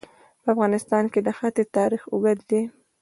په افغانستان کې د ښتې تاریخ اوږد دی.